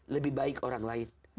lebih baik orang lain